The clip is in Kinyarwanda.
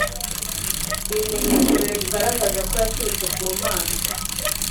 Ibimenyetso bigaragaza ko yaturutse ku Mana